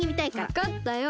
わかったよ。